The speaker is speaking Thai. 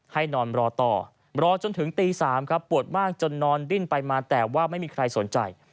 ให้นอนรอต่อรอจนถึงตี๓ครับปวดมากจนนอนดิ้นไปมาแต่ว่าไม่มีใครสนใจ